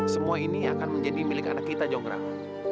semua ini akan menjadi milik anak kita jonggrang